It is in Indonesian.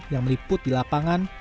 yang meliput di lapangan